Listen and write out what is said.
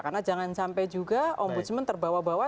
karena jangan sampai juga ombudsman terbawa bawa